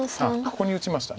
ここに打ちました。